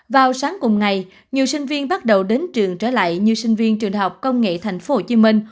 vào sáng cùng ngày nhiều sinh viên bắt đầu đến trường trở lại như sinh viên trường học công nghệ thành phố hồ chí minh